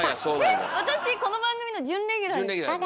私この番組の準レギュラーですか？